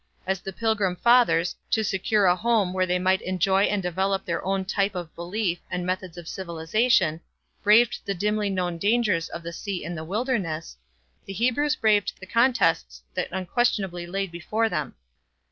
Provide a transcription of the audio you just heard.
As the Pilgrim Fathers, to secure a home where they might enjoy and develop their own type of belief and methods of civilization, braved the dimly known dangers of the sea and the wilderness, the Hebrews braved the contests that unquestionably lay before them.